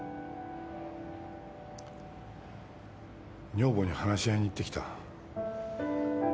女房に話し合いに行ってきた。